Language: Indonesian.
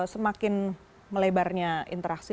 semakin melebarnya interaksi